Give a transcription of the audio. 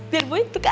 biar boy untuk ke aku